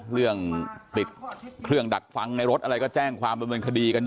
เรื่องติดเครื่องดักฟังในรถอะไรก็แจ้งความดำเนินคดีกันอยู่